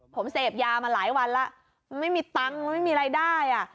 ผมเสพยามาหลายวันแล้วไม่มีตังค์ไม่มีรายได้อ่ะ